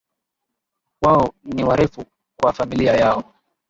Wao ni warefu kwa familia yao